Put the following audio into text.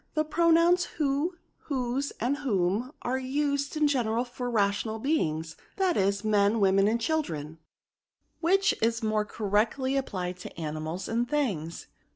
The pro nouns who^ whose f and whom, axe used in general for rational beings; that is, men, women, and children* Which is more oor« rectlj applied to animals and things.